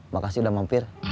makasih udah mampir